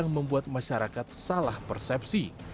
masyarakat salah persepsi